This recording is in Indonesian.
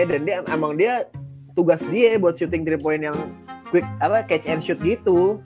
dan dia emang dia tugas dia buat shooting tiga point yang quick catch and shoot gitu